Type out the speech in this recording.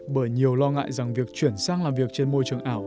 bởi nhiều lo ngại rằng việc chuyển sang làm việc trên môi trường ảo